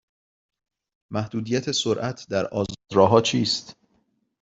محدودیت سرعت در آزاد راه ها چیست؟